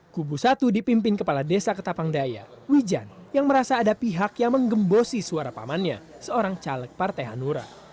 kubu satu dipimpin kepala desa ketapangdaya wijan yang merasa ada pihak yang menggembosi suara pamannya seorang caleg partai hanura